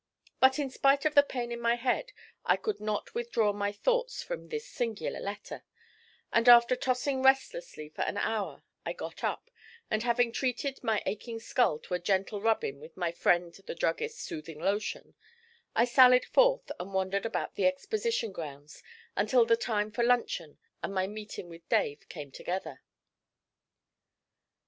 But in spite of the pain in my head I could not withdraw my thoughts from this singular letter; and after tossing restlessly for an hour I got up, and having treated my aching skull to a gentle rubbing with my friend the druggist's soothing lotion, I sallied forth and wandered about the Exposition grounds until the time for luncheon and my meeting with Dave came together.